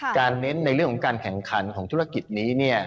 เน้นในเรื่องของการแข่งขันของธุรกิจนี้